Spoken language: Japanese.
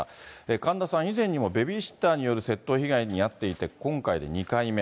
神田さん、以前にもベビーシッターによる窃盗被害に遭っていて、今回で２回目。